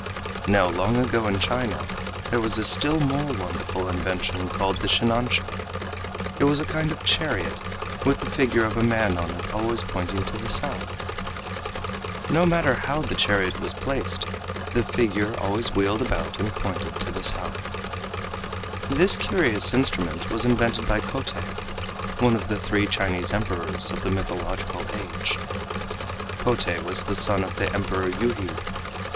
Now long ago in China, there was a still more wonderful invention called the shinansha. This was a kind of chariot with the figure of a man on it always pointing to the South. No matter how the chariot was placed the figure always wheeled about and pointed to the South. This curious instrument was invented by Kotei, one of the three Chinese Emperors of the Mythological age. Kotei was the son of the Emperor Yuhi.